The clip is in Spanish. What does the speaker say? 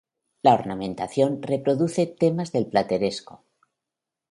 La ornamentación reproduce temas del plateresco.